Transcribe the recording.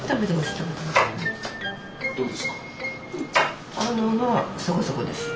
どうですか？